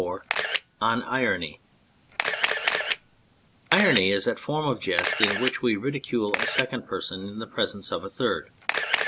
17 ON IRONY IRONY is that form of jest in which we ridicule a second person in the presence of a third.